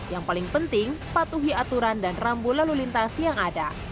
yang paling penting patuhi aturan dan rambu lalu lintas yang ada